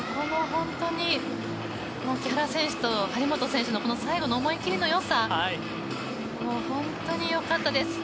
木原選手と張本選手の最後の思い切りのよさ、本当によかったです。